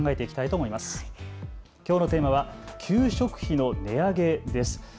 きょうのテーマは給食費の値上げです。